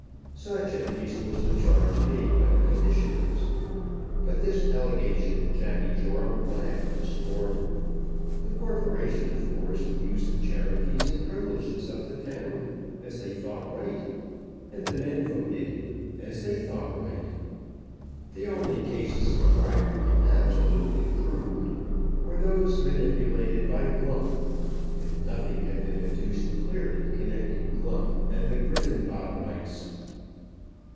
Such, at least, was the charge made by the petitioners. But this allegation Jacky Joram laughed to scorn. The corporation, of course, used the charities and privileges of the town as they thought right; and the men voted, as they thought right. The only cases of bribery absolutely proved were those manipulated by Glump, and nothing had been adduced clearly connecting Glump and the Griffenbottomites.